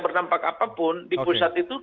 berdampak apapun di pusat itu